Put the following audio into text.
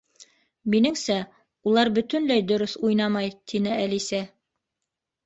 —Минеңсә, улар бөтөнләй дөрөҫ уйнамай, —тине Әлисә.